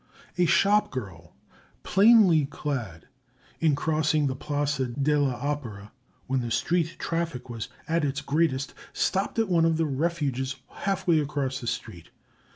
A shopgirl, plainly clad, in crossing the Place de l'Opéra, when the street traffic was at its greatest, stopped at one of the "refuges" halfway across the street.